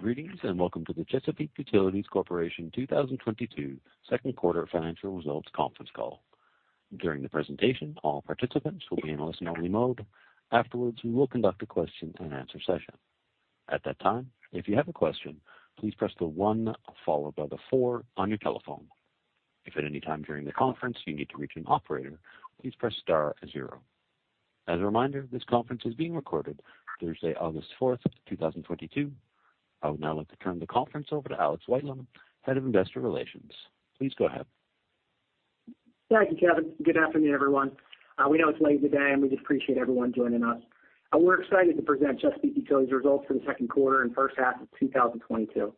Greetings, and welcome to the Chesapeake Utilities Corporation 2022 second quarter financial results conference call. During the presentation, all participants will be in a listen-only mode. Afterwards, we will conduct a question-and-answer session. At that time, if you have a question, please press the one followed by the four on your telephone. If at any time during the conference you need to reach an operator, please press star zero. As a reminder, this conference is being recorded Thursday, August 4, 2022. I would now like to turn the conference over to Alex Whitelaw, Head of Investor Relations. Please go ahead. Thank you, Kevin. Good afternoon, everyone. We know it's late in the day, and we just appreciate everyone joining us. We're excited to present Chesapeake Utilities results for the second quarter and H1 of 2022.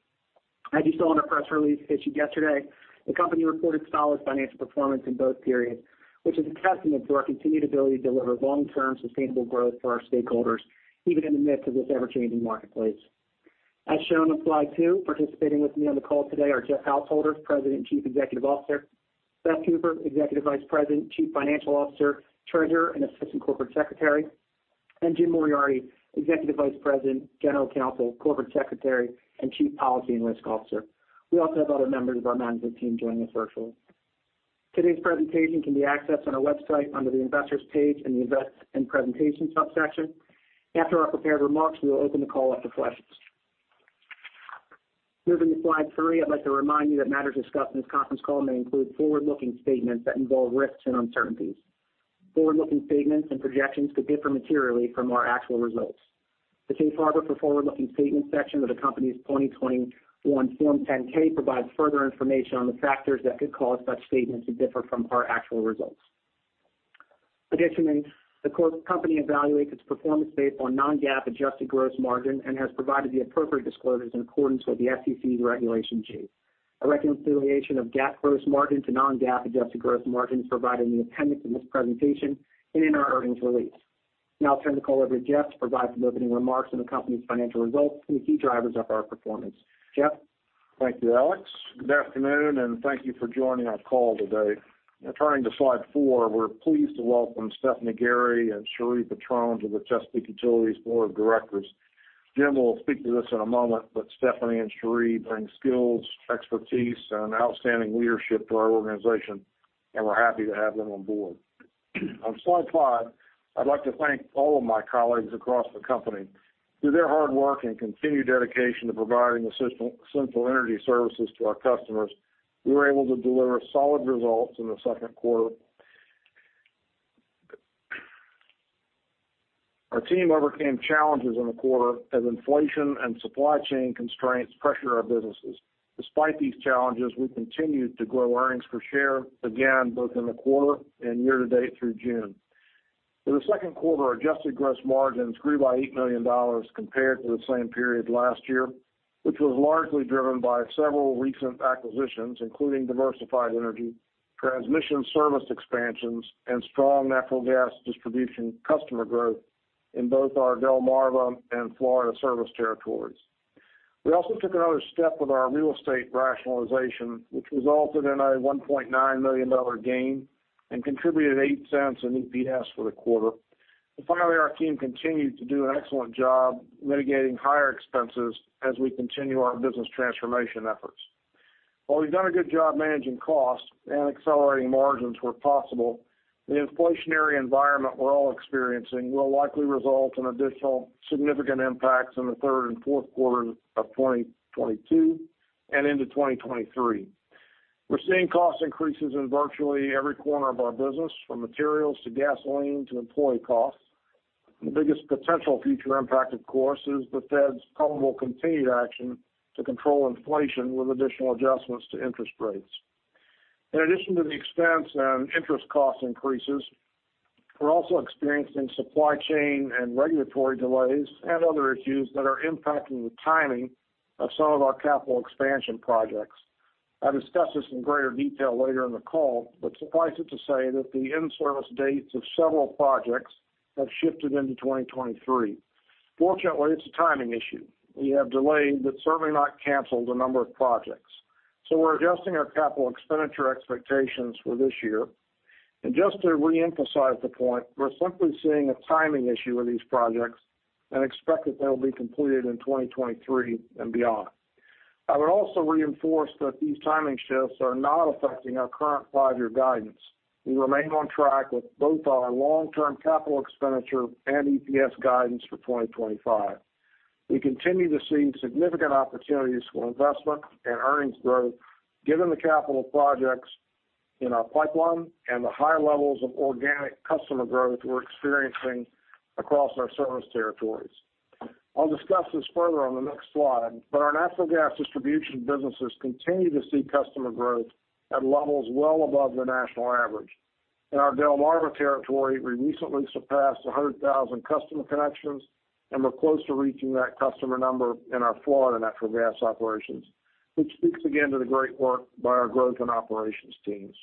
As you saw in our press release issued yesterday, the company reported solid financial performance in both periods, which is a testament to our continued ability to deliver long-term sustainable growth for our stakeholders, even in the midst of this ever-changing marketplace. As shown on slide two, participating with me on the call today are Jeff Householder, President and Chief Executive Officer, Beth Cooper, Executive Vice President, Chief Financial Officer, Treasurer, and Assistant Corporate Secretary, and Jim Moriarty, Executive Vice President, General Counsel, Corporate Secretary, and Chief Policy and Risk Officer. We also have other members of our management team joining us virtually. Today's presentation can be accessed on our website under the Investors page in the Investor Presentations subsection. After our prepared remarks, we will open the call up to questions. Moving to slide three, I'd like to remind you that matters discussed in this conference call may include forward-looking statements that involve risks and uncertainties. Forward-looking statements and projections could differ materially from our actual results. The Safe Harbor for Forward-Looking Statements section of the company's 2021 Form 10-K provides further information on the factors that could cause such statements to differ from our actual results. Additionally, the company evaluates its performance based on non-GAAP adjusted gross margin and has provided the appropriate disclosures in accordance with the SEC's Regulation G. A reconciliation of GAAP gross margin to non-GAAP adjusted gross margin is provided in the appendix in this presentation and in our earnings release. Now I'll turn the call over to Jeff to provide some opening remarks on the company's financial results and the key drivers of our performance. Jeff. Thank you, Alex. Good afternoon, and thank you for joining our call today. Now turning to slide four, we're pleased to welcome Stephanie Gary and Sheree Petrone to the Chesapeake Utilities Board of Directors. Jim will speak to this in a moment, but Stephanie and Sheree bring skills, expertise, and outstanding leadership to our organization, and we're happy to have them on board. On slide five, I'd like to thank all of my colleagues across the company. Through their hard work and continued dedication to providing essential energy services to our customers, we were able to deliver solid results in the second quarter. Our team overcame challenges in the quarter as inflation and supply chain constraints pressured our businesses. Despite these challenges, we continued to grow Earnings Per Share again, both in the quarter and year to date through June. In the second quarter, adjusted gross margins grew by $8 million compared to the same period last year, which was largely driven by several recent acquisitions, including Diversified Energy, transmission service expansions, and strong natural gas distribution customer growth in both our Delmarva and Florida service territories. We also took another step with our real estate rationalization, which resulted in a $1.9 million gain and contributed $0.08 in EPS for the quarter. Finally, our team continued to do an excellent job mitigating higher expenses as we continue our business transformation efforts. While we've done a good job managing costs and accelerating margins where possible, the inflationary environment we're all experiencing will likely result in additional significant impacts in the third and fourth quarters of 2022 and into 2023. We're seeing cost increases in virtually every corner of our business, from materials to gasoline to employee costs. The biggest potential future impact, of course, is the Fed's probable continued action to control inflation with additional adjustments to interest rates. In addition to the expense and interest cost increases, we're also experiencing supply chain and regulatory delays and other issues that are impacting the timing of some of our capital expansion projects. I'll discuss this in greater detail later in the call, but suffice it to say that the in-service dates of several projects have shifted into 2023. Fortunately, it's a timing issue. We have delayed, but certainly not canceled a number of projects. We're adjusting our capital expenditure expectations for this year. Just to reemphasize the point, we're simply seeing a timing issue with these projects and expect that they'll be completed in 2023 and beyond. I would also reinforce that these timing shifts are not affecting our current five-year guidance. We remain on track with both our long-term capital expenditure and EPS guidance for 2025. We continue to see significant opportunities for investment and earnings growth given the capital projects in our pipeline and the high levels of organic customer growth we're experiencing across our service territories. I'll discuss this further on the next slide, but our natural gas distribution businesses continue to see customer growth at levels well above the national average. In our Delmarva territory, we recently surpassed 100,000 customer connections, and we're close to reaching that customer number in our Florida natural gas operations, which speaks again to the great work by our growth and operations teams.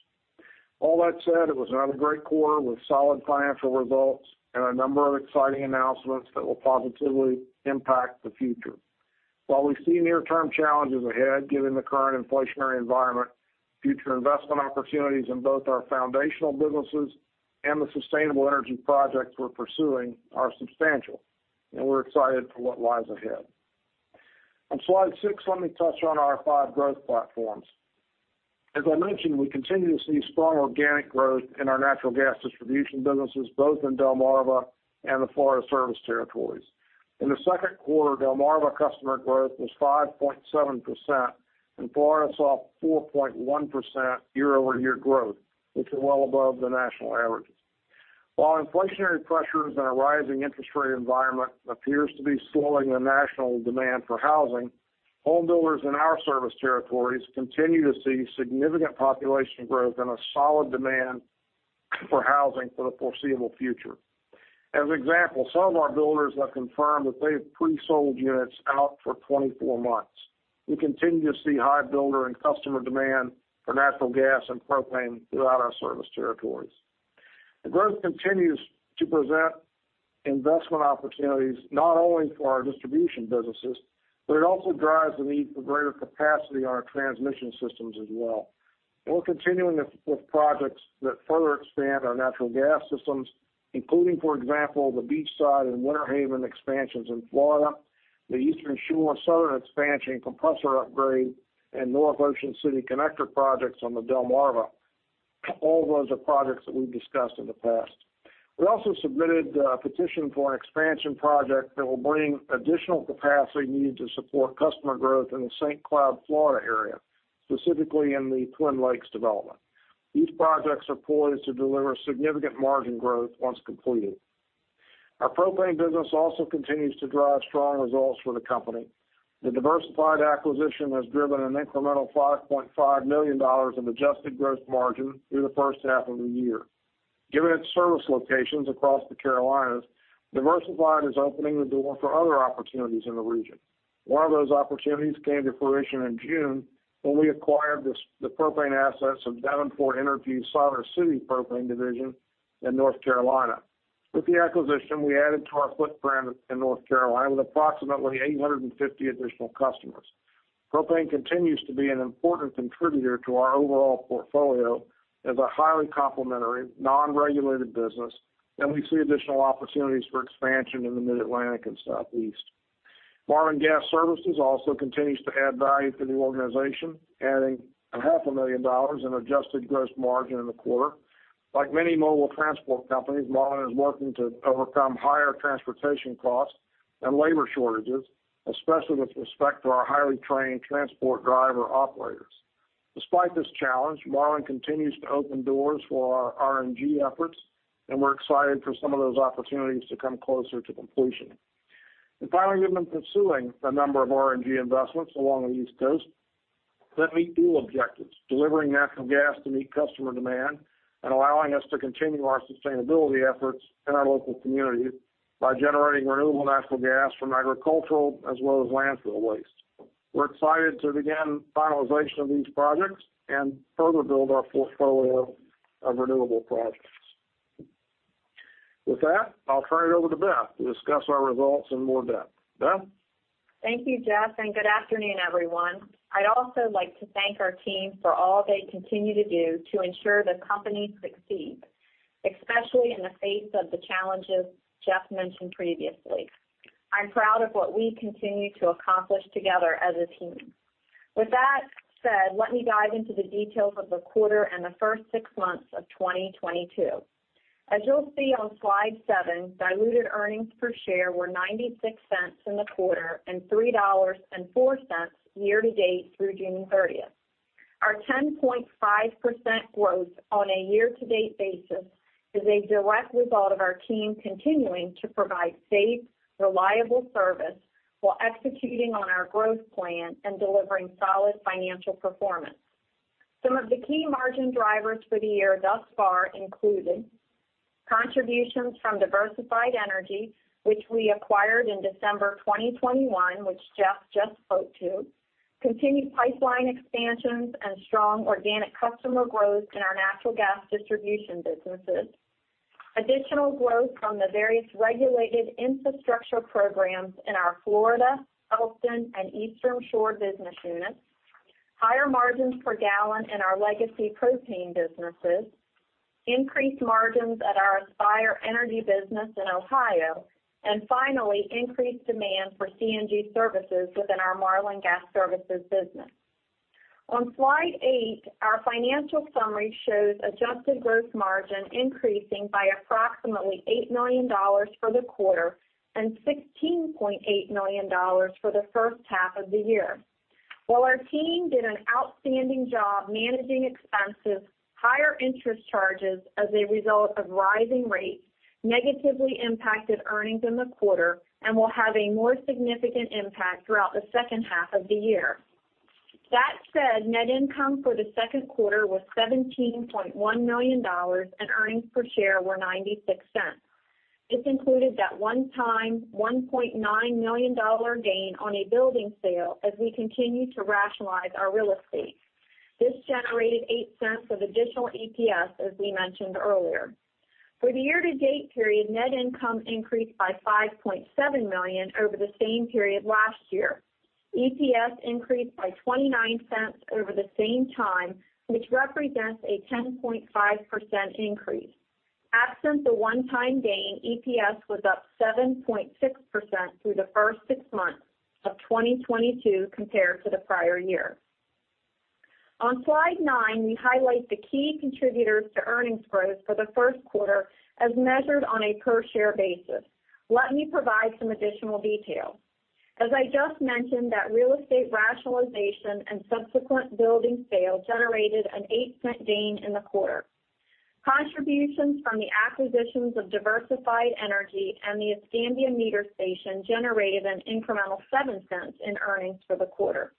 All that said, it was another great quarter with solid financial results and a number of exciting announcements that will positively impact the future. While we see near-term challenges ahead, given the current inflationary environment. Future investment opportunities in both our foundational businesses and the sustainable energy projects we're pursuing are substantial, and we're excited for what lies ahead. On slide six, let me touch on our five growth platforms. As I mentioned, we continue to see strong organic growth in our natural gas distribution businesses, both in Delmarva and the Florida service territories. In the second quarter, Delmarva customer growth was 5.7%, and Florida saw 4.1% year-over-year growth, which is well above the national averages. While inflationary pressures and a rising interest rate environment appears to be slowing the national demand for housing, homebuilders in our service territories continue to see significant population growth and a solid demand for housing for the foreseeable future. As an example, some of our builders have confirmed that they have pre-sold units out for 24 months. We continue to see high builder and customer demand for natural gas and propane throughout our service territories. The growth continues to present investment opportunities not only for our distribution businesses, but it also drives the need for greater capacity on our transmission systems as well. We're continuing with projects that further expand our natural gas systems, including, for example, the Beachside and Winter Haven expansions in Florida, the Eastern Shore Southern expansion and compressor upgrade, and North Ocean City Connector projects on the Delmarva. All those are projects that we've discussed in the past. We also submitted a petition for an expansion project that will bring additional capacity needed to support customer growth in the St. Cloud, Florida area, specifically in the Twin Lakes development. These projects are poised to deliver significant margin growth once completed. Our propane business also continues to drive strong results for the company. The Diversified acquisition has driven an incremental $5.5 million of adjusted gross margin through the H1 of the year. Given its service locations across the Carolinas, Diversified is opening the door for other opportunities in the region. One of those opportunities came to fruition in June when we acquired the propane assets of Davenport Energy's Siler City propane division in North Carolina. With the acquisition, we added to our footprint in North Carolina with approximately 850 additional customers. Propane continues to be an important contributor to our overall portfolio as a highly complementary, non-regulated business, and we see additional opportunities for expansion in the Mid-Atlantic and Southeast. Marlin Gas Services also continues to add value to the organization, adding $500 million in adjusted gross margin in the quarter. Like many mobile transport companies, Marlin is working to overcome higher transportation costs and labor shortages, especially with respect to our highly trained transport driver operators. Despite this challenge, Marlin continues to open doors for our RNG efforts, and we're excited for some of those opportunities to come closer to completion. Finally, we've been pursuing a number of RNG investments along the East Coast that meet dual objectives, delivering natural gas to meet customer demand and allowing us to continue our sustainability efforts in our local communities by generating renewable natural gas from agricultural as well as landfill waste. We're excited to begin finalization of these projects and further build our portfolio of renewable projects. With that, I'll turn it over to Beth to discuss our results in more depth. Beth? Thank you, Jeff, and good afternoon, everyone. I'd also like to thank our team for all they continue to do to ensure the company succeeds, especially in the face of the challenges Jeff mentioned previously. I'm proud of what we continue to accomplish together as a team. With that said, let me dive into the details of the quarter and the first six months of 2022. As you'll see on slide seven, diluted Earnings Per Share were $0.96 in the quarter and $3.04 year-to-date through June 30. Our 10.5% growth on a year-to-date basis is a direct result of our team continuing to provide safe, reliable service while executing on our growth plan and delivering solid financial performance. Some of the key margin drivers for the year thus far included contributions from Diversified Energy, which we acquired in December 2021, which Jeff just spoke to, continued pipeline expansions and strong organic customer growth in our natural gas distribution businesses, additional growth from the various regulated infrastructure programs in our Florida, Elkton, and Eastern Shore business units, higher margins per gallon in our legacy propane businesses, increased margins at our Aspire Energy business in Ohio, and finally, increased demand for CNG services within our Marlin Gas Services business. On slide eight, our financial summary shows adjusted gross margin increasing by approximately $8 million for the quarter and $16.8 million for the H1 of the year. While our team did an outstanding job managing expenses, higher interest charges as a result of rising rates negatively impacted earnings in the quarter and will have a more significant impact throughout the H2 of the year. That said, net income for the second quarter was $17.1 million, and Earnings Per Share were $0.96. This included that one-time $1.9 million dollar gain on a building sale as we continue to rationalize our real estate. This generated $0.08 of additional EPS as we mentioned earlier. For the year-to-date period, net income increased by $5.7 million over the same period last year. EPS increased by $0.29 over the same time, which represents a 10.5% increase. Absent the one-time gain, EPS was up 7.6% through the first six months of 2022 compared to the prior year. On slide nine, we highlight the key contributors to earnings growth for the first quarter as measured on a per-share basis. Let me provide some additional detail. As I just mentioned, that real estate rationalization and subsequent building sale generated an $0.08 gain in the quarter. Contributions from the acquisitions of Diversified Energy and the Escambia Meter Station generated an incremental $0.07 in earnings for the quarter.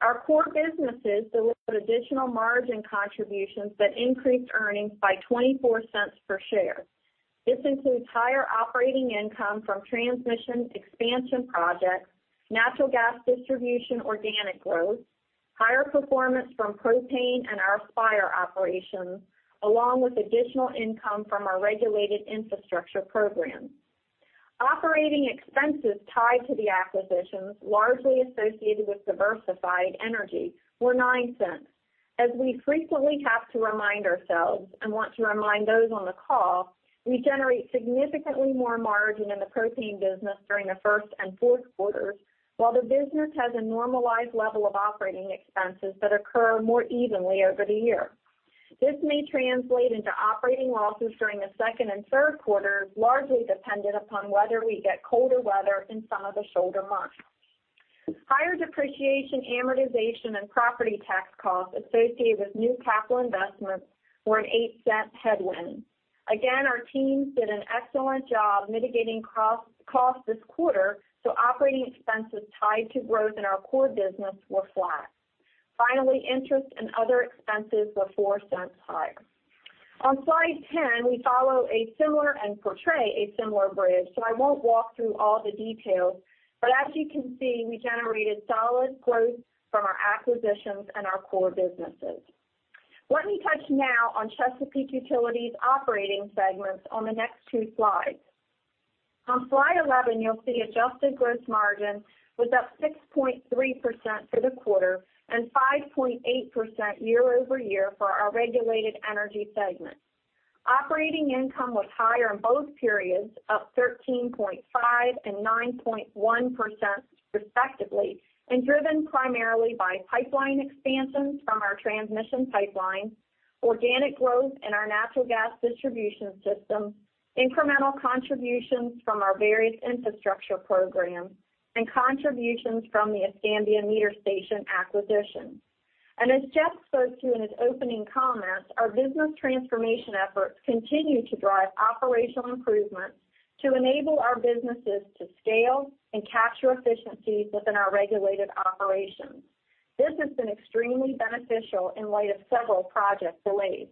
Our core businesses delivered additional margin contributions that increased earnings by $0.24 per share. This includes higher operating income from transmission expansion projects, natural gas distribution organic growth, higher performance from propane and our Aspire operations, along with additional income from our regulated infrastructure programs. Operating expenses tied to the acquisitions, largely associated with Diversified Energy, were $0.09. As we frequently have to remind ourselves and want to remind those on the call, we generate significantly more margin in the propane business during the first and fourth quarters, while the business has a normalized level of operating expenses that occur more evenly over the year. This may translate into operating losses during the second and third quarters, largely dependent upon whether we get colder weather in some of the shoulder months. Higher depreciation, amortization, and property tax costs associated with new capital investments were an $0.08 headwind. Again, our teams did an excellent job mitigating cross-costs this quarter, so operating expenses tied to growth in our core business were flat. Finally, interest and other expenses were $0.04 higher. On slide 10, we follow suit and portray a similar bridge, so I won't walk through all the details. As you can see, we generated solid growth from our acquisitions and our core businesses. Let me touch now on Chesapeake Utilities' operating segments on the next two slides. On slide 11, you'll see adjusted gross margin was up 6.3% for the quarter and 5.8% year-over-year for our regulated energy segment. Operating income was higher in both periods, up 13.5% and 9.1% respectively, and driven primarily by pipeline expansions from our transmission pipeline, organic growth in our natural gas distribution system, incremental contributions from our various infrastructure programs, and contributions from the Escambia Meter Station acquisition. As Jeff spoke to in his opening comments, our business transformation efforts continue to drive operational improvements to enable our businesses to scale and capture efficiencies within our regulated operations. This has been extremely beneficial in light of several project delays.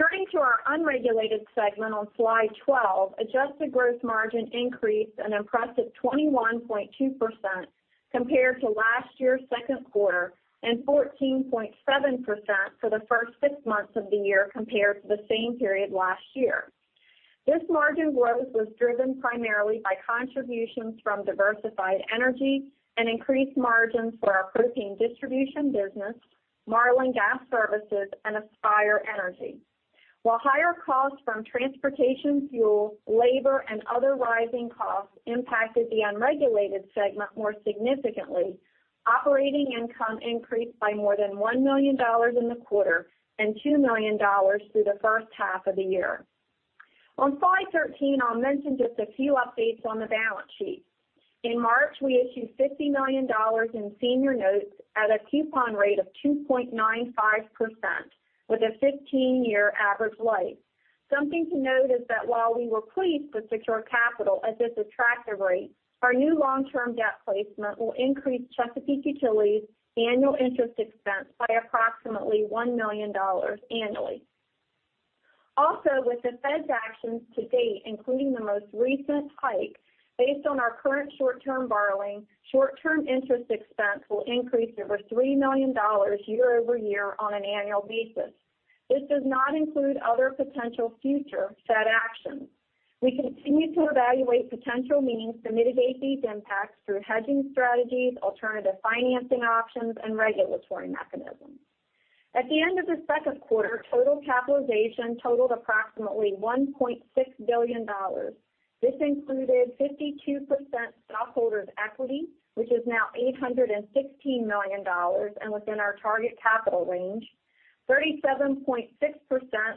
Turning to our unregulated segment on slide 12, adjusted gross margin increased an impressive 21.2% compared to last year's second quarter and 14.7% for the first six months of the year compared to the same period last year. This margin growth was driven primarily by contributions from Diversified Energy and increased margins for our propane distribution business, Marlin Gas Services, and Aspire Energy. While higher costs from transportation fuel, labor, and other rising costs impacted the unregulated segment more significantly, operating income increased by more than $1 million in the quarter and $2 million through the H1 of the year. On slide 13, I'll mention just a few updates on the balance sheet. In March, we issued $50 million in senior notes at a coupon rate of 2.95% with a 15-year average life. Something to note is that while we were pleased to secure capital at this attractive rate, our new long-term debt placement will increase Chesapeake Utilities' annual interest expense by approximately $1 million annually. Also, with the Fed's actions to date, including the most recent hike, based on our current short-term borrowing, short-term interest expense will increase over $3 million year-over-year on an annual basis. This does not include other potential future Fed actions. We continue to evaluate potential means to mitigate these impacts through hedging strategies, alternative financing options, and regulatory mechanisms. At the end of the second quarter, total capitalization totaled approximately $1.6 billion. This included 52% stockholders' equity, which is now $816 million and within our target capital range, 37.6%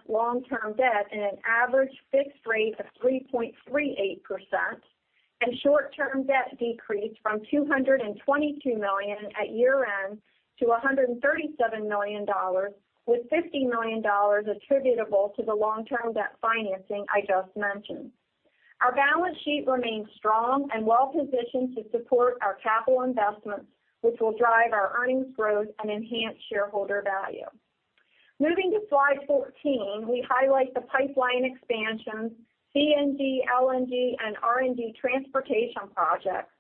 long-term debt and an average fixed rate of 3.38%, and short-term debt decreased from $222 million at year-end to $137 million, with $50 million attributable to the long-term debt financing I just mentioned. Our balance sheet remains strong and well-positioned to support our capital investments, which will drive our earnings growth and enhance shareholder value. Moving to slide 14, we highlight the pipeline expansions, CNG, LNG, and RNG transportation projects,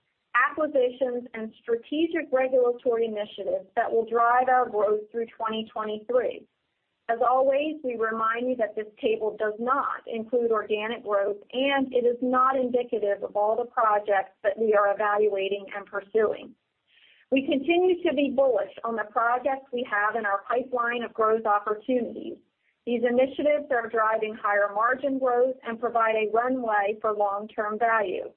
acquisitions and strategic regulatory initiatives that will drive our growth through 2023. As always, we remind you that this table does not include organic growth, and it is not indicative of all the projects that we are evaluating and pursuing. We continue to be bullish on the projects we have in our pipeline of growth opportunities. These initiatives are driving higher margin growth and provide a runway for long-term value.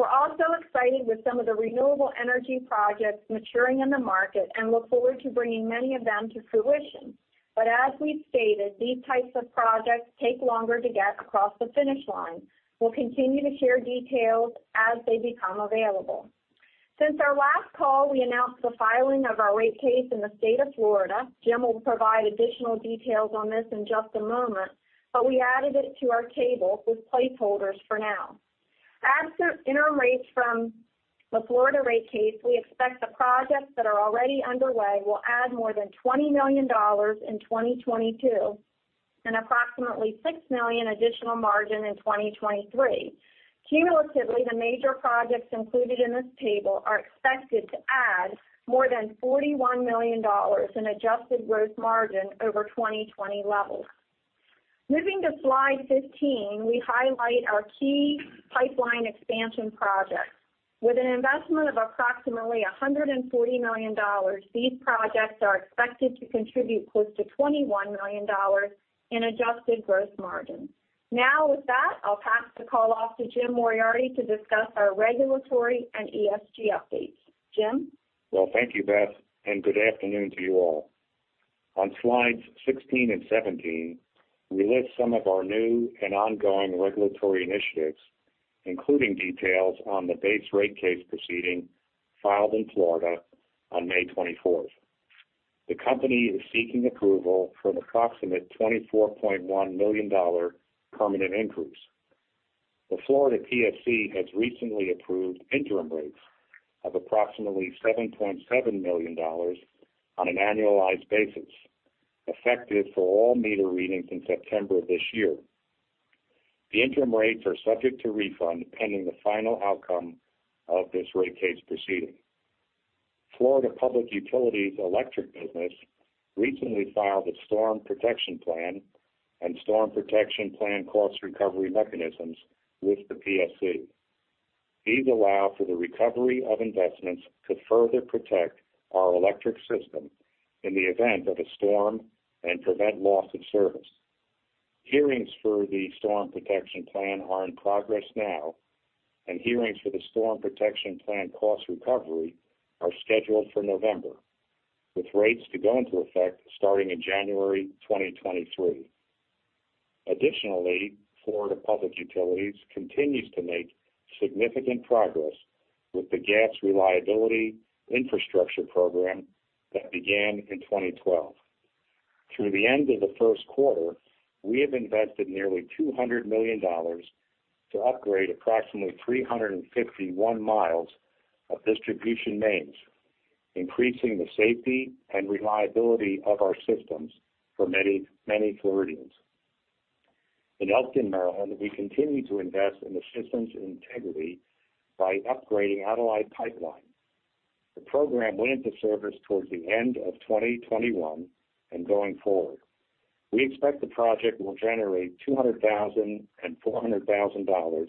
We're also excited with some of the renewable energy projects maturing in the market and look forward to bringing many of them to fruition. As we've stated, these types of projects take longer to get across the finish line. We'll continue to share details as they become available. Since our last call, we announced the filing of our rate case in the state of Florida. Jim will provide additional details on this in just a moment, but we added it to our table with placeholders for now. Absent interim rates from the Florida rate case, we expect the projects that are already underway will add more than $20 million in 2022 and approximately $6 million additional margin in 2023. Cumulatively, the major projects included in this table are expected to add more than $41 million in adjusted gross margin over 2020 levels. Moving to slide 15, we highlight our key pipeline expansion projects. With an investment of approximately $140 million, these projects are expected to contribute close to $21 million in adjusted gross margin. Now with that, I'll pass the call off to Jim Moriarty to discuss our regulatory and ESG updates. Jim. Well, thank you, Beth, and good afternoon to you all. On slides 16 and 17, we list some of our new and ongoing regulatory initiatives, including details on the base rate case proceeding filed in Florida on May 24th. The company is seeking approval for an approximate $24.1 million permanent increase. The Florida PSC has recently approved interim rates of approximately $7.7 million on an annualized basis, effective for all meter readings in September of this year. The interim rates are subject to refund pending the final outcome of this rate case proceeding. Florida Public Utilities electric business recently filed a storm protection plan and storm protection plan cost recovery mechanisms with the PSC. These allow for the recovery of investments to further protect our electric system in the event of a storm and prevent loss of service. Hearings for the storm protection plan are in progress now, and hearings for the storm protection plan cost recovery are scheduled for November, with rates to go into effect starting in January 2023. Additionally, Florida Public Utilities continues to make significant progress with the Gas Reliability Infrastructure Program that began in 2012. Through the end of the first quarter, we have invested nearly $200 million to upgrade approximately 351 mi of distribution mains, increasing the safety and reliability of our systems for many, many Floridians. In Elkton, Maryland, we continue to invest in the system's integrity by upgrading aging pipelines. The program went into service towards the end of 2021, and going forward. We expect the project will generate $200,000 and $400,000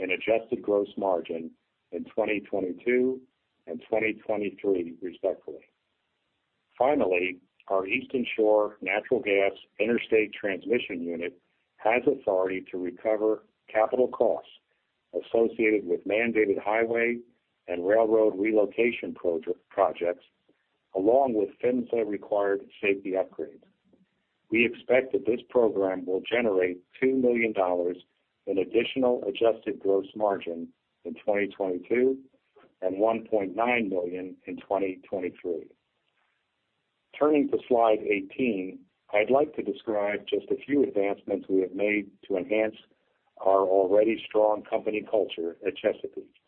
in adjusted gross margin in 2022 and 2023, respectively. Finally, our Eastern Shore Natural Gas Interstate Transmission Unit has authority to recover capital costs associated with mandated highway and railroad relocation projects, along with PHMSA-required safety upgrades. We expect that this program will generate $2 million in additional adjusted gross margin in 2022 and $1.9 million in 2023. Turning to slide 18, I'd like to describe just a few advancements we have made to enhance our already strong company culture at Chesapeake.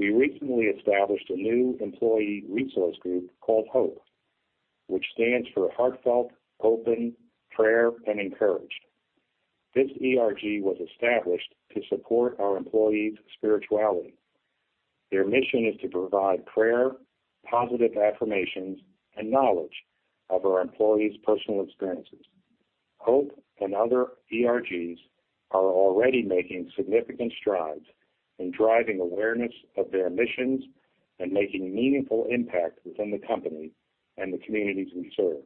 We recently established a new employee resource group called HOPE, which stands for Heartfelt, Open, Prayer, and Encouraged. This ERG was established to support our employees' spirituality. Their mission is to provide prayer, positive affirmations, and knowledge of our employees' personal experiences. HOPE and other ERGs are already making significant strides in driving awareness of their missions and making meaningful impact within the company and the communities we serve.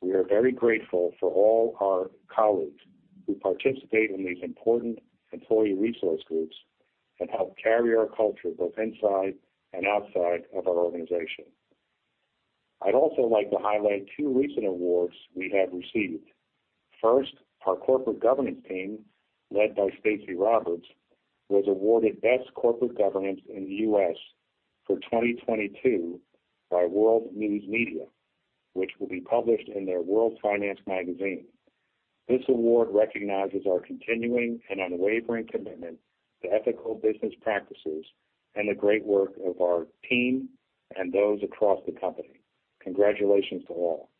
We are very grateful for all our colleagues who participate in these important employee resource groups and help carry our culture both inside and outside of our organization. I'd also like to highlight two recent awards we have received. First, our corporate governance team, led by Stacey Roberts, was awarded Best Corporate Governance in the U.S. for 2022 by World Finance, which will be published in their World Finance magazine. This award recognizes our continuing and unwavering commitment to ethical business practices and the great work of our team and those across the company. Congratulations to all.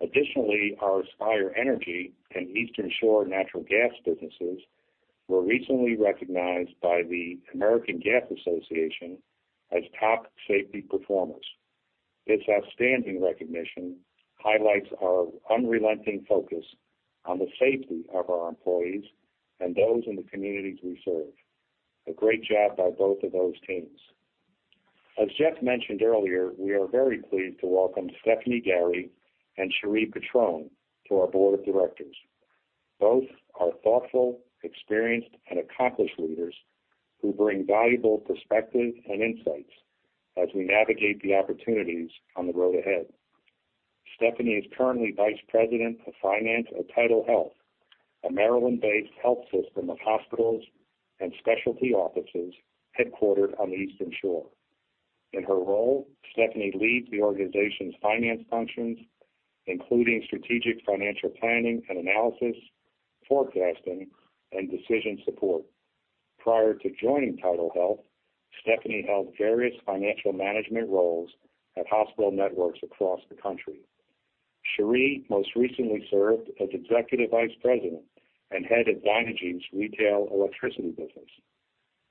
Additionally, our Aspire Energy and Eastern Shore Natural Gas businesses were recently recognized by the American Gas Association as top safety performers. This outstanding recognition highlights our unrelenting focus on the safety of our employees and those in the communities we serve. A great job by both of those teams. As Jeff mentioned earlier, we are very pleased to welcome Stephanie N. Gary and Sheree M. Petrone to our board of directors. Both are thoughtful, experienced and accomplished leaders who bring valuable perspective and insights as we navigate the opportunities on the road ahead. Stephanie is currently Vice President of Finance at TidalHealth, a Maryland-based health system of hospitals and specialty offices headquartered on the Eastern Shore. In her role, Stephanie leads the organization's finance functions, including strategic financial planning and analysis, forecasting, and decision support. Prior to joining TidalHealth, Stephanie held various financial management roles at hospital networks across the country. Sheree most recently served as Executive Vice President and head of Dynegy's retail electricity business.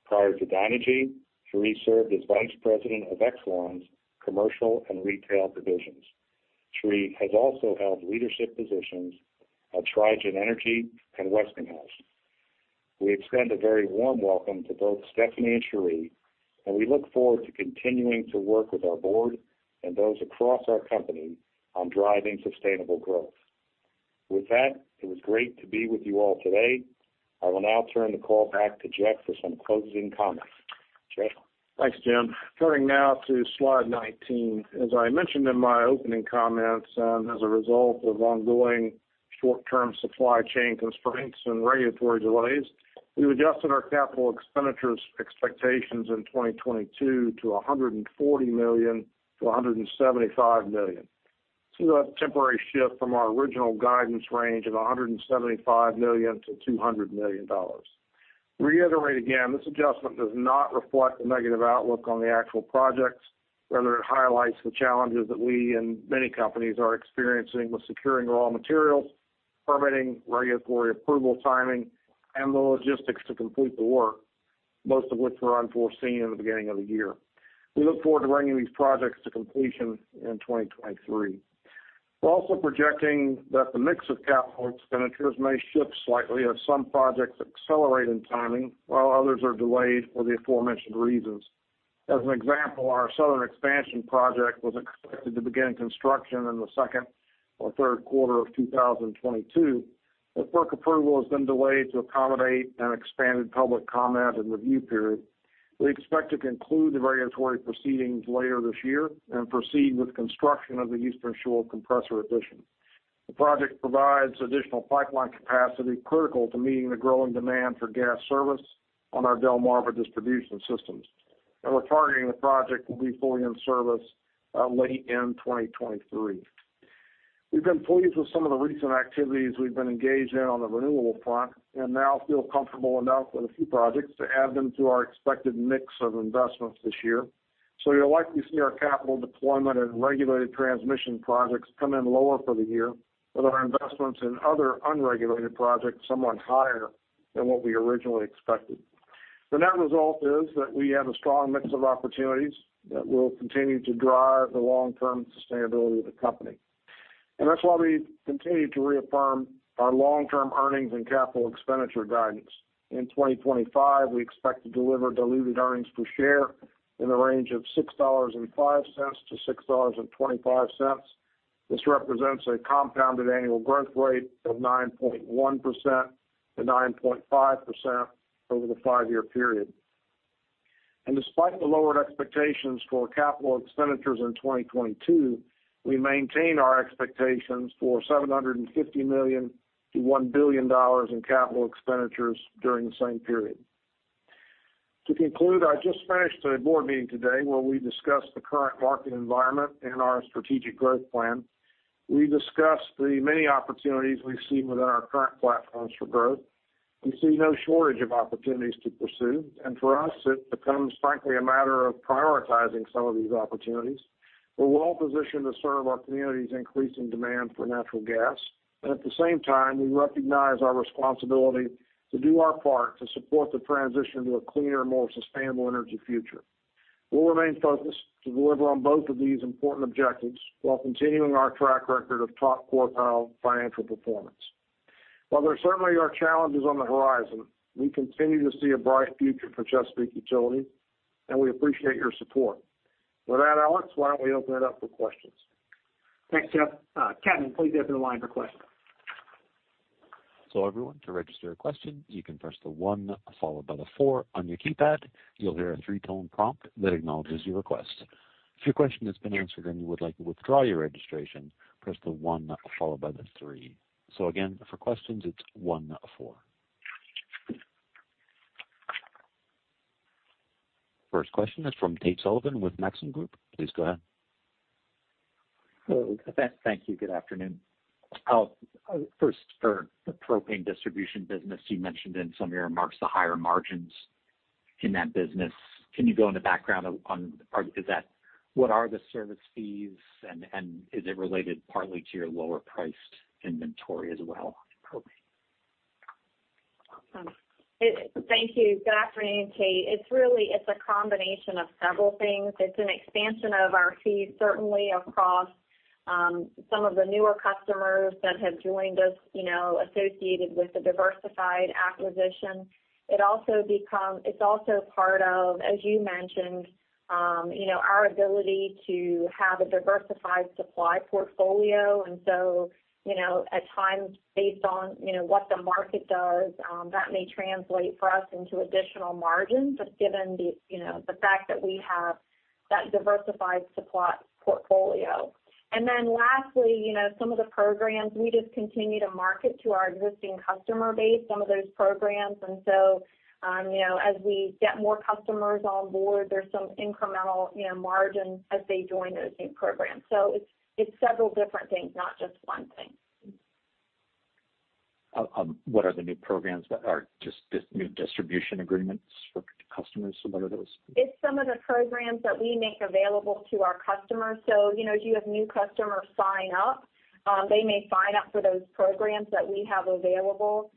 Prior to Dynegy, Sheree served as Vice President of Exelon's commercial and retail divisions. Sheree has also held leadership positions at Trigen Energy and Westinghouse. We extend a very warm welcome to both Stephanie and Sheree, and we look forward to continuing to work with our board and those across our company on driving sustainable growth. With that, it was great to be with you all today. I will now turn the call back to Jeff for some closing comments. Jeff? Thanks, Jim. Turning now to slide 19. As I mentioned in my opening comments, and as a result of ongoing short-term supply chain constraints and regulatory delays, we've adjusted our capital expenditures expectations in 2022 to $140 million-$175 million. See that temporary shift from our original guidance range of $175 million-$200 million. To reiterate again, this adjustment does not reflect a negative outlook on the actual projects, rather it highlights the challenges that we and many companies are experiencing with securing raw materials, permitting regulatory approval timing, and the logistics to complete the work, most of which were unforeseen in the beginning of the year. We look forward to bringing these projects to completion in 2023. We're also projecting that the mix of capital expenditures may shift slightly as some projects accelerate in timing while others are delayed for the aforementioned reasons. As an example, our southern expansion project was expected to begin construction in the second or third quarter of 2022, but FERC approval has been delayed to accommodate an expanded public comment and review period. We expect to conclude the regulatory proceedings later this year and proceed with construction of the Eastern Shore compressor addition. The project provides additional pipeline capacity critical to meeting the growing demand for gas service on our Delmarva distribution systems, and we're targeting the project will be fully in service late in 2023. We've been pleased with some of the recent activities we've been engaged in on the renewable front and now feel comfortable enough with a few projects to add them to our expected mix of investments this year. You'll likely see our capital deployment and regulated transmission projects come in lower for the year, with our investments in other unregulated projects somewhat higher than what we originally expected. The net result is that we have a strong mix of opportunities that will continue to drive the long-term sustainability of the company, and that's why we continue to reaffirm our long-term earnings and capital expenditure guidance. In 2025, we expect to deliver diluted earnings per share in the range of $6.05-$6.25. This represents a compounded annual growth rate of 9.1%-9.5% over the five-year period. Despite the lowered expectations for capital expenditures in 2022, we maintain our expectations for $750 million-$1 billion in capital expenditures during the same period. To conclude, I just finished a board meeting today where we discussed the current market environment and our strategic growth plan. We discussed the many opportunities we see within our current platforms for growth. We see no shortage of opportunities to pursue, and for us it becomes, frankly, a matter of prioritizing some of these opportunities. We're well positioned to serve our community's increasing demand for natural gas, and at the same time, we recognize our responsibility to do our part to support the transition to a cleaner, more sustainable energy future. We'll remain focused to deliver on both of these important objectives while continuing our track record of top quartile financial performance. While there certainly are challenges on the horizon, we continue to see a bright future for Chesapeake Utilities, and we appreciate your support. With that, Alex, why don't we open it up for questions? Thanks, Jeff. Kevin, please open the line for questions. Everyone to register a question, you can press the one followed by the four on your keypad. You'll hear a three-tone prompt that acknowledges your request. If your question has been answered, and you would like to withdraw your registration, press the one followed by the three. Again, for questions, it's one, four. First question is from Tate Sullivan with Maxim Group. Please go ahead. Hello. Thank you. Good afternoon. First, for the propane distribution business, you mentioned in some of your remarks the higher margins. In that business, can you go into background on what are the service fees and is it related partly to your lower priced inventory as well? Thank you. Good afternoon, Tate. It's a combination of several things. It's an expansion of our fees, certainly across, some of the newer customers that have joined us, you know, associated with the diversified acquisition. It's also part of, as you mentioned, you know, our ability to have a diversified supply portfolio. You know, at times based on, you know, what the market does, that may translate for us into additional margins, just given the, you know, the fact that we have that diversified supply portfolio. Lastly, you know, some of the programs, we just continue to market to our existing customer base, some of those programs. You know, as we get more customers on board, there's some incremental, you know, margin as they join those new programs. It's several different things, not just one thing. What are the new programs that are just this new distribution agreements for customers? What are those? It's some of the programs that we make available to our customers. You know, as you have new customers sign up, they may sign up for those programs that we have available.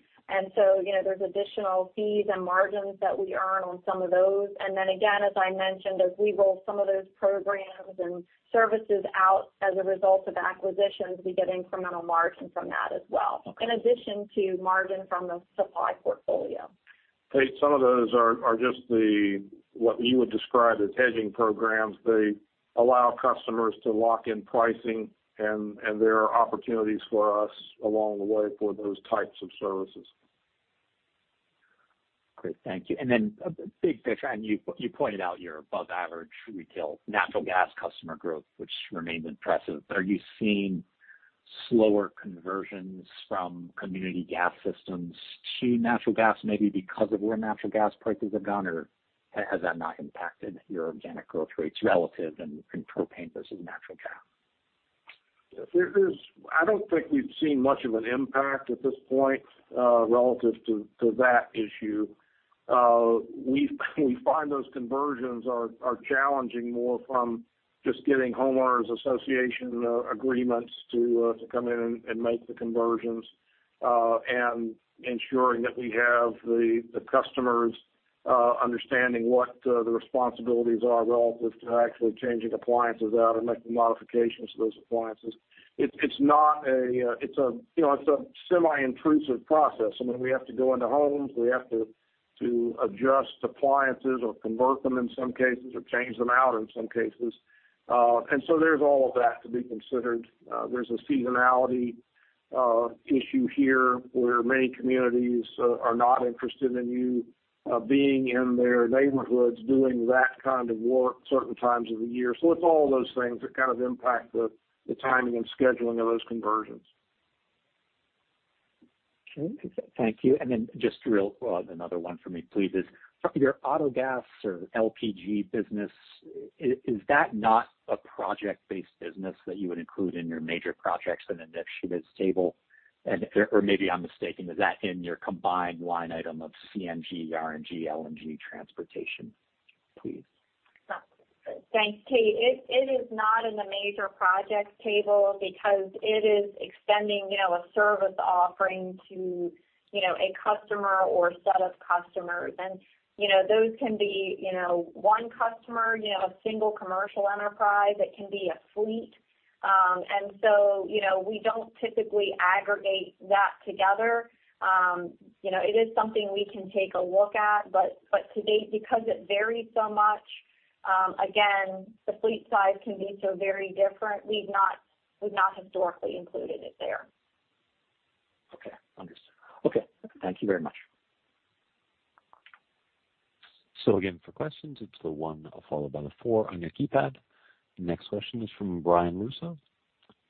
You know, there's additional fees and margins that we earn on some of those. Again, as I mentioned, as we roll some of those programs and services out as a result of acquisitions, we get incremental margin from that as well, in addition to margin from the supply portfolio. Tate, some of those are just the what you would describe as hedging programs. They allow customers to lock in pricing and there are opportunities for us along the way for those types of services. Great. Thank you. a big picture, and you pointed out your above average retail natural gas customer growth, which remains impressive. Are you seeing slower conversions from community gas systems to natural gas maybe because of where natural gas prices have gone, or has that not impacted your organic growth rates relative in propane versus natural gas? I don't think we've seen much of an impact at this point relative to that issue. We find those conversions are challenging more from just getting homeowners association agreements to come in and make the conversions and ensuring that we have the customers understanding what the responsibilities are relative to actually changing appliances out or making modifications to those appliances. It's not a. It's a, you know, it's a semi-intrusive process. I mean, we have to go into homes. We have to adjust appliances or convert them in some cases, or change them out in some cases. There's all of that to be considered. There's a seasonality issue here where many communities are not interested in you being in their neighborhoods doing that kind of work certain times of the year. It's all those things that kind of impact the timing and scheduling of those conversions. Okay. Thank you. Well, another one for me please is, your auto gas or LPG business, is that not a project-based business that you would include in your major projects and initiatives table? Or maybe I'm mistaken, is that in your combined line item of CNG, RNG, LNG transportation, please? Thanks, Tate Sullivan. It is not in the major projects table because it is extending, you know, a service offering to, you know, a customer or set of customers. You know, those can be, you know, one customer, you know, a single commercial enterprise. It can be a fleet. You know, we don't typically aggregate that together. You know, it is something we can take a look at, but to date, because it varies so much, again, the fleet size can be so very different, we've not historically included it there. Okay. Understood. Okay. Thank you very much. Again, for questions, it's the one followed by the four on your keypad. The next question is from Brian Russo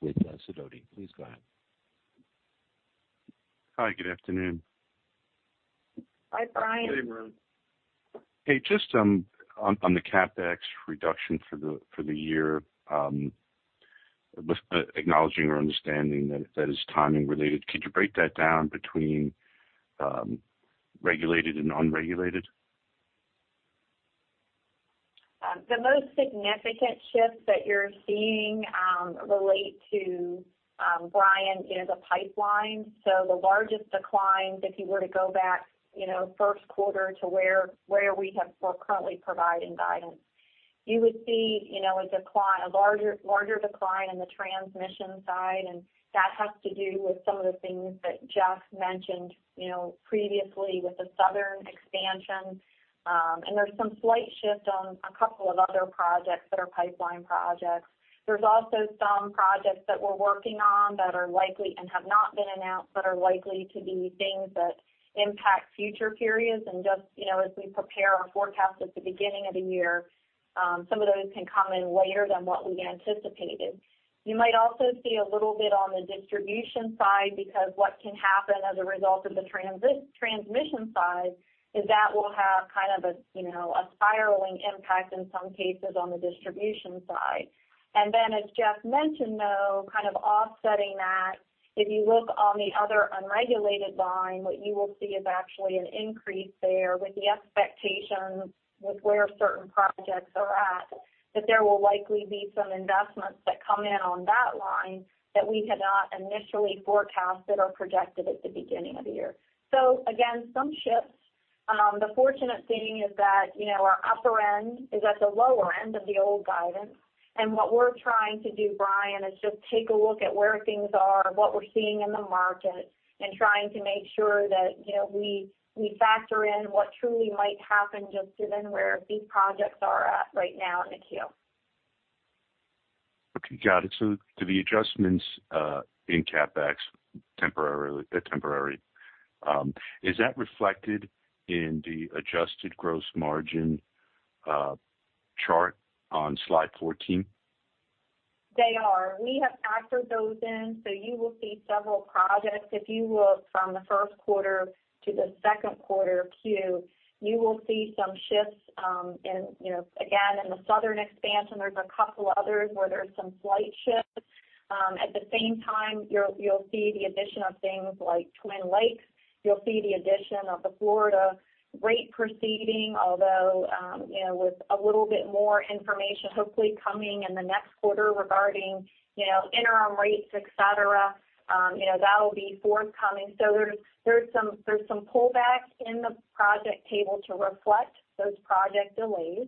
with Sidoti. Please go ahead. Hi. Good afternoon. Hi, Brian. Hey, Brian. Hey, just on the CapEx reduction for the year, with acknowledgment or understanding that that is timing related, could you break that down between regulated and unregulated? The most significant shift that you're seeing relate to, Brian, is a pipeline. The largest decline, if you were to go back, you know, first quarter to where we're currently providing guidance, you would see, you know, a decline a larger decline in the transmission side, and that has to do with some of the things that Jeff mentioned, you know, previously with the southern expansion. There's some slight shift on a couple of other projects that are pipeline projects. There's also some projects that we're working on that are likely and have not been announced, that are likely to be things that impact future periods. Just, you know, as we prepare our forecast at the beginning of the year, some of those can come in later than what we anticipated. You might also see a little bit on the distribution side because what can happen as a result of the transmission side is that will have kind of a, you know, a spiraling impact in some cases on the distribution side. Then as Jeff mentioned though, kind of offsetting that if you look on the other unregulated line what you will see is actually an increase there with the expectations with where certain projects are at, that there will likely be some investments that come in on that line that we had not initially forecasted or projected at the beginning of the year. Again, some shifts. The fortunate thing is that, you know, our upper end is at the lower end of the old guidance. What we're trying to do, Brian, is just take a look at where things are, what we're seeing in the market, and trying to make sure that, you know, we factor in what truly might happen just given where these projects are at right now in the queue. Okay, got it. Do the adjustments in CapEx temporarily, they're temporary, is that reflected in the adjusted gross margin chart on slide 14? They are. We have factored those in, so you will see several projects. If you look from the first quarter to the second quarter queue, you will see some shifts, you know, again, in the southern expansion, there's a couple others where there's some slight shifts. At the same time, you'll see the addition of things like Twin Lakes. You'll see the addition of the Florida rate proceeding, although, you know, with a little bit more information, hopefully coming in the next quarter regarding, you know, interim rates, et cetera, you know, that'll be forthcoming. There's some pullbacks in the project table to reflect those project delays.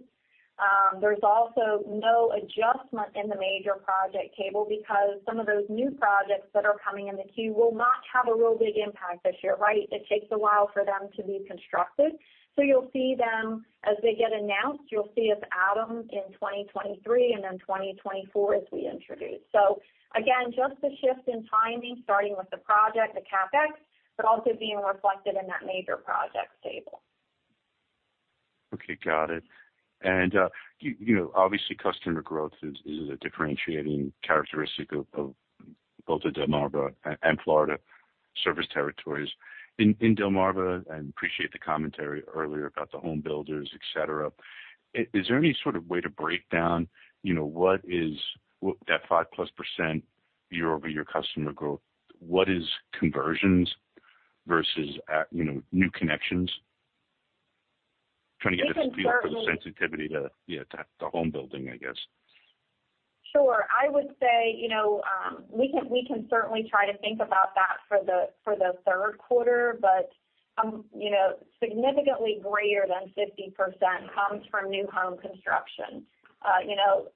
There's also no adjustment in the major project table because some of those new projects that are coming in the queue will not have a real big impact this year, right? It takes a while for them to be constructed. You'll see them as they get announced. You'll see us add them in 2023 and then 2024 as we introduce. Again, just a shift in timing, starting with the project, the CapEx, but also being reflected in that major project table. Okay, got it. You know, obviously, customer growth is a differentiating characteristic of both the Delmarva and Florida service territories. In Delmarva, I appreciate the commentary earlier about the home builders, et cetera. Is there any sort of way to break down, you know, that 5%+ year-over-year customer growth? What is conversions versus, you know, new connections? Trying to get a feel for the sensitivity to home building, I guess. Sure. I would say, you know, we can certainly try to think about that for the third quarter, but, you know, significantly greater than 50% comes from new home construction. You know,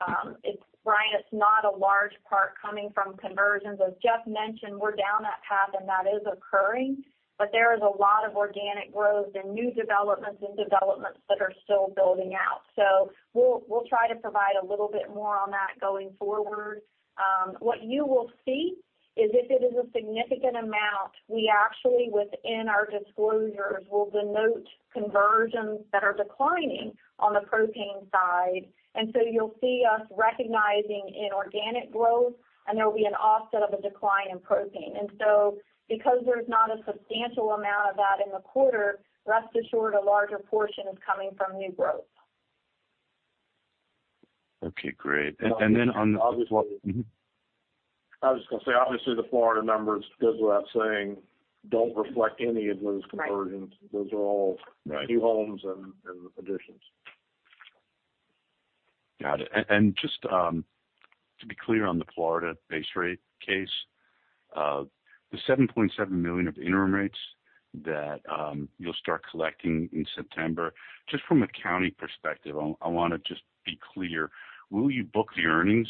it's, Brian, it's not a large part coming from conversions. As Jeff mentioned, we're down that path and that is occurring, but there is a lot of organic growth and new developments and developments that are still building out. We'll try to provide a little bit more on that going forward. What you will see is if it is a significant amount, we actually within our disclosures will denote conversions that are declining on the propane side. You'll see us recognizing inorganic growth, and there will be an offset of a decline in propane. Because there's not a substantial amount of that in the quarter, rest assured a larger portion is coming from new growth. Okay, great. On the Obviously Mm-hmm. I was just gonna say, obviously, the Florida numbers go without saying, don't reflect any of those conversions. Right. Those are all. Right. New homes and additions. Got it. Just to be clear on the Florida base rate case, the $7.7 million of interim rates that you'll start collecting in September, just from an accounting perspective, I wanna just be clear, will you book the earnings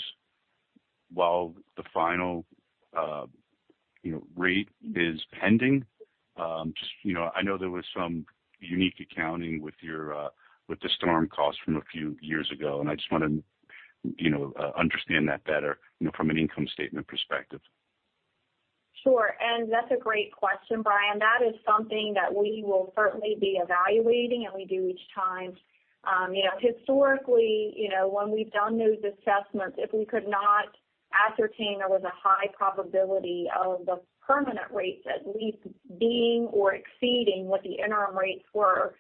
while the final, you know, rate is pending? Just, you know, I know there was some unique accounting with your, with the storm costs from a few years ago, and I just wanna, you know, understand that better, you know, from an income statement perspective. Sure. That's a great question, Brian. That is something that we will certainly be evaluating, and we do each time. You know, historically, you know, when we've done those assessments, if we could not ascertain there was a high probability of the permanent rates at least being or exceeding what the interim rates were,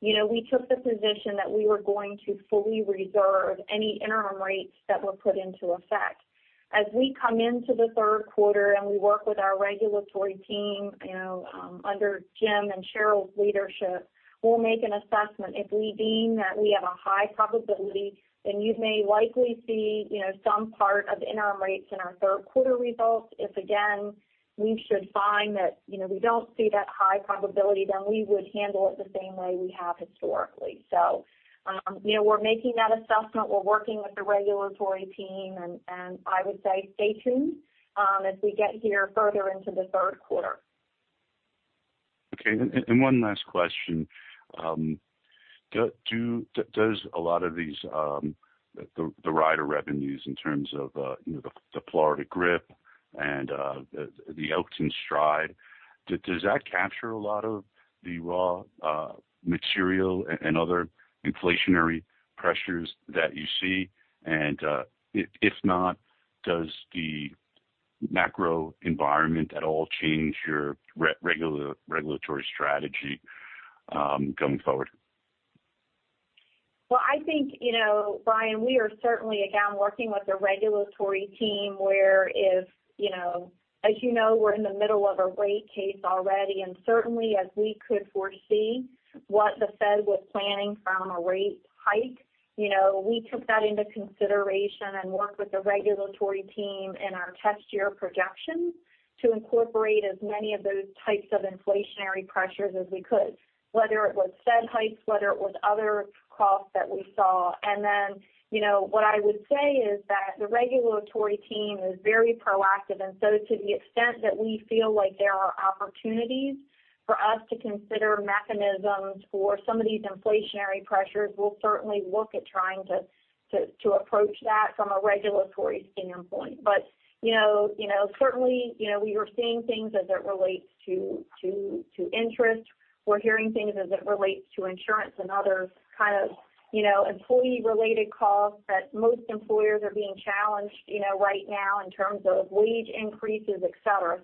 you know, we took the position that we were going to fully reserve any interim rates that were put into effect. As we come into the third quarter and we work with our regulatory team, you know, under Jim and Cheryl's leadership, we'll make an assessment. If we deem that we have a high probability, then you may likely see, you know, some part of the interim rates in our third quarter results. If, again, we should find that, you know, we don't see that high probability, then we would handle it the same way we have historically. You know, we're making that assessment. We're working with the regulatory team and I would say stay tuned, as we get here further into the third quarter. Okay. One last question. Does a lot of these the rider revenues in terms of, you know, the Florida GRIP and the Elkton STRIDE, does that capture a lot of the raw material and other inflationary pressures that you see? If not, does the macro environment at all change your regulatory strategy going forward? Well, I think, you know, Brian, we are certainly, again, working with a regulatory team where if, you know, as you know, we're in the middle of a rate case already, and certainly as we could foresee what the Fed was planning from a rate hike, you know, we took that into consideration and worked with the regulatory team in our test year projections to incorporate as many of those types of inflationary pressures as we could, whether it was Fed hikes, whether it was other costs that we saw. Then, you know, what I would say is that the regulatory team is very proactive. To the extent that we feel like there are opportunities for us to consider mechanisms for some of these inflationary pressures, we'll certainly look at trying to approach that from a regulatory standpoint. You know, certainly, you know, we were seeing things as it relates to interest. We're hearing things as it relates to insurance and other kind of, you know, employee-related costs that most employers are being challenged, you know, right now in terms of wage increases, et cetera.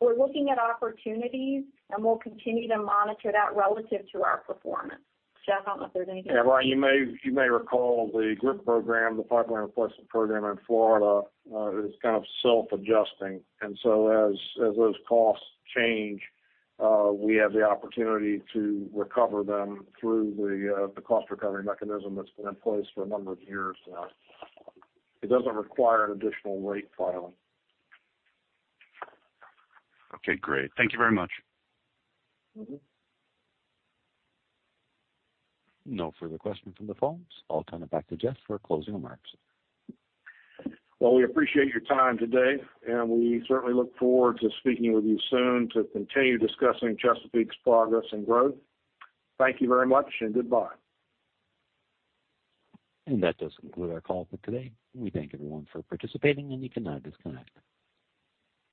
We're looking at opportunities, and we'll continue to monitor that relative to our performance. Jeff, I don't know if there's anything. Yeah, Brian, you may recall the GRIP program, the Pipeline Replacement Program in Florida, is kind of self-adjusting. As those costs change, we have the opportunity to recover them through the cost recovery mechanism that's been in place for a number of years now. It doesn't require an additional rate filing. Okay, great. Thank you very much. Mm-hmm. No further questions from the phones. I'll turn it back to Jeff for closing remarks. Well, we appreciate your time today, and we certainly look forward to speaking with you soon to continue discussing Chesapeake's progress and growth. Thank you very much and goodbye. That does conclude our call for today. We thank everyone for participating, and you can now disconnect.